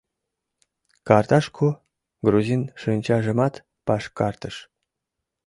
— Карташку?! — грузин шинчажымат пашкартыш.